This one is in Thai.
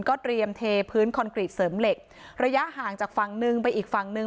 เตรียมเทพื้นคอนกรีตเสริมเหล็กระยะห่างจากฝั่งหนึ่งไปอีกฝั่งหนึ่ง